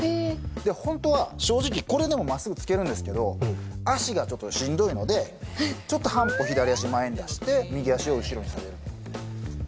ホントは正直これでも真っすぐ突けるんですけど足がちょっとしんどいのでちょっと半歩左足前に出して右足を後ろに下げる。